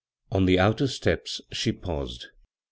On the outer steps she paused.